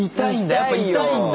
やっぱ痛いんだ！